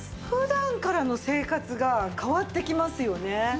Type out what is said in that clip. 普段からの生活が変わってきますよね。